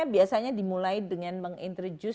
biasanya dimulai dengan menginterjus